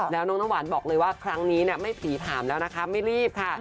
แล้วน้องน้ำหวานบอกเลยว่าครั้งนี้ไม่ผีถามแล้วนะคะไม่รีบค่ะ